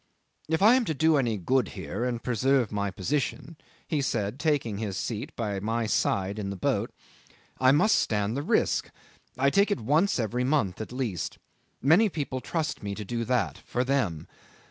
"If I am to do any good here and preserve my position," he said, taking his seat by my side in the boat, "I must stand the risk: I take it once every month, at least. Many people trust me to do that for them.